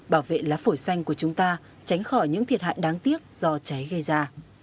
bảo vệ lá phổi xanh của chúng ta tránh khỏi những thiệt hại đáng tiếc do cháy gây ra